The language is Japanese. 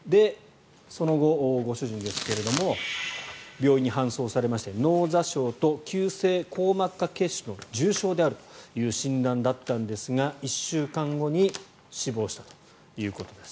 その後、ご主人ですが病院に搬送されまして脳挫傷と急性硬膜下血腫の重傷であるという診断だったんですが、１週間後に死亡したということです。